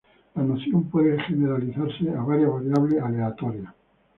La noción puede generalizarse a varias variables aleatorias.